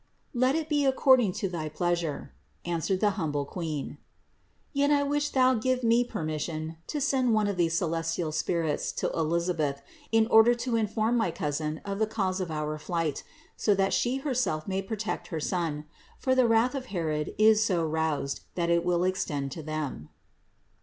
"Let it be according to thy pleasure," answered the humble Queen, "yet I wish thou give me permission to send one of these celestial spirits to Elisa beth, in order to inform my cousin of the cause of our flight, so that she herself may protect her son; for the wrath of Herod is so roused that it will extend to them."